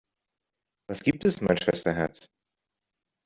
Was gibt es, mein Schwesterherz?